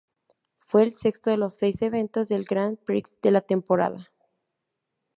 Fue el sexto de los seis eventos del Grand Prix de la temporada.